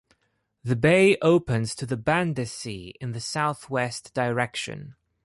The bay opens to the Banda Sea in the southwest direction.